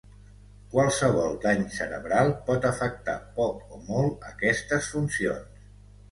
Qualsevol dany cerebral pot afectar poc o molt aquestes funcions.